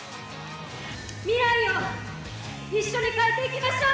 未来を一緒に変えていきましょう！